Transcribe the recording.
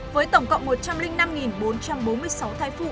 với tổng cộng một trăm linh năm bốn trăm bốn mươi sáu thai phụ